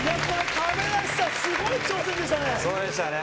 亀梨さん、すごい挑戦でしたそうでしたね。